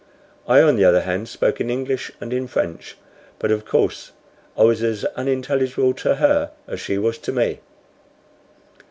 I, on the other hand spoke in English and in French; but of course I was as unintelligible to her as she was to me.